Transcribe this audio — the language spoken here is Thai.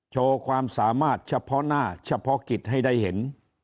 โชว์ความสามารถเฉพาะหน้าเฉพาะกิจให้ได้เห็น